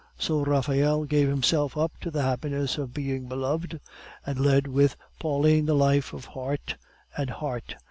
So Raphael gave himself up to the happiness of being beloved, and led with Pauline the life of heart and heart.